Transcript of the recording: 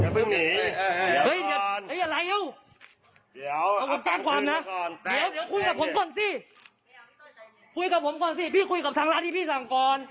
พี่คุยก่อนสิพี่คุยกับร้านที่เขาส่งควร